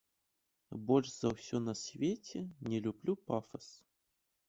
Больш за ўсё на свеце не люблю пафас.